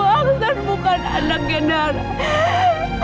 aksan bukan anak darah